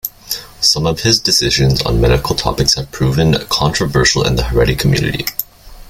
Some of his decisions on medical topics have proven controversial in the Haredi community.